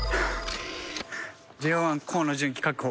ＪＯ１河野純喜。確保。